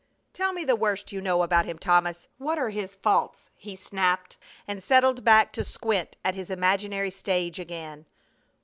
"Tell me the worst you know about him, Thomas! What are his faults?" he snapped, and settled back to squint at his imaginary stage again.